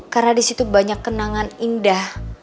karena di situ banyak kenangan indah